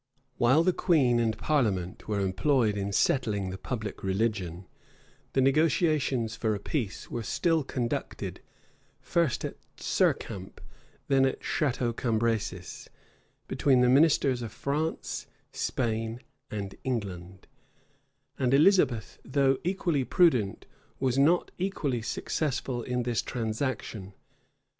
While the queen and parliament were employed in settling the public religion, the negotiations for a peace were still conducted, first at Cercamp, then at Chateau Cambresis, between the ministers of France, Spain, and England; and Elizabeth, though equally prudent, was not equally successful in this transaction.